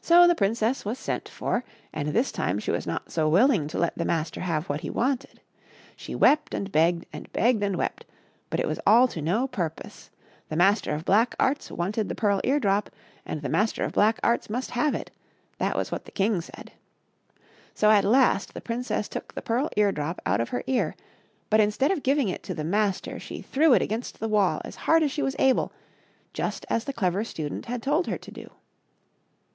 So the princess was sent for, and this time she was not so willing to let the Master have what he wanted. She wept and begged, and begged and wept ; but it was all to no purpose ; the Master of Black Arts wanted the pearl ear drop, and the Master of Black Arts must have it — that was what the king said. So at last the princess took the pearl ear drop out of her ear, but, instead of giving it to the Master, she threw it against the wall as hard as she was able, just as the Clever Student had told her to do.